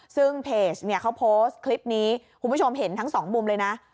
ซึ่งเพจเนี่ยเขาโพสต์คลิปนี้คุณผู้ชมเห็นทั้งสองมุมเลยนะ